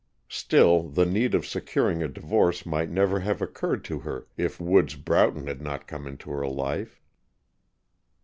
Still, the need of securing a divorce might never have occurred to her if Woods Broughton had not come into her life.